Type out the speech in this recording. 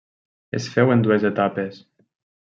Es féu en dues etapes.